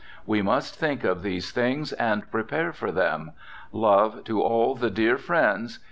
We must think of these things, and prepare for them..... Love to all the dear friends.....